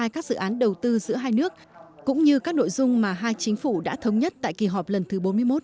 cũng như các nội dung mà hai chính phủ đã thống nhất tại kỳ họp lần thứ bốn mươi một